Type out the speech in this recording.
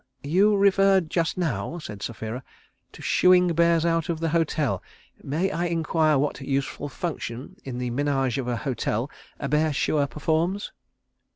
"You referred just now," said Sapphira, "to shooing bears out of the hotel. May I inquire what useful function in the ménage of a hotel a bear shooer performs?"